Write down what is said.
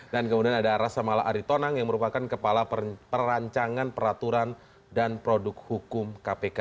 kemudian ada rasa mala aritonang yang merupakan kepala perancangan peraturan dan produk hukum kpk